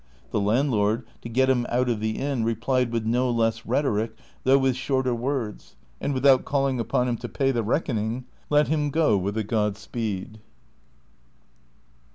The landlord, to get him out of the inn, replied with no less rhetoric though with shorter words, and without calling upon him to pay the reckoning, let him go with a God speed.